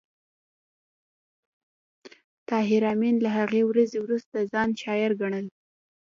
طاهر آمین له هغې ورځې وروسته ځان شاعر ګڼل